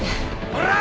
・ほら！